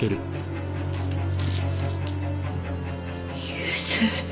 ゆず？